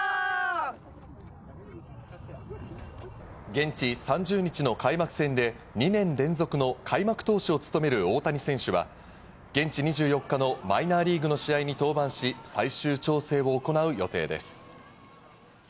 現地３０日の開幕戦で２年連続の開幕投手を務める大谷選手は、現地２４日のマイナーリーグの試合に登板し、最終調整を行う予定です。